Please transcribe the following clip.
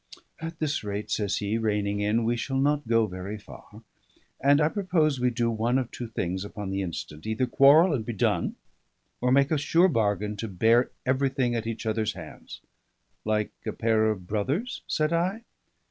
"At this rate," says he, reining in, "we shall not go very far. And I propose we do one of two things upon the instant: either quarrel and be done; or make a sure bargain to bear everything at each other's hands." "Like a pair of brothers?" said I.